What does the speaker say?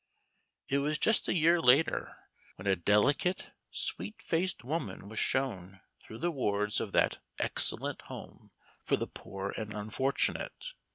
It was just a year later when a delicate, sweet faced woman was shown through the wards of that "excellent home" for the poor and unfortunate.